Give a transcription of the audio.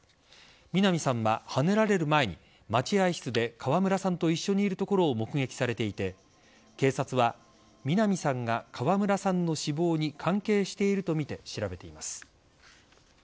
南さんははねられる前に待合室で川村さんと一緒にいるところを目撃されていて警察は南さんが川村さんの死亡に関係しているとみて調べています。